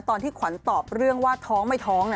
ตอนที่ขวัญตอบเรื่องว่าท้องไม่ท้อง